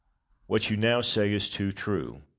What you now say is too true.